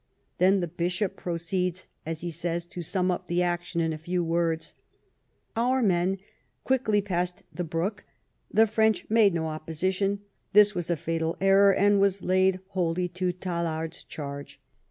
Then the Bishop pro ceeds, as he says, to sum up the action in a few words :" Our men quickly passed the brook, the French making no opposition. This was a fatal error, and was laid wholly to Tallard's charge.